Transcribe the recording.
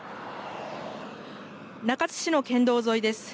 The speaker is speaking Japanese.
中津市の県道沿いです。